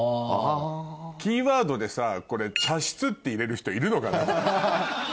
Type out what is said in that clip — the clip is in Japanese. キーワードでさ「茶室」って入れる人いるのかな？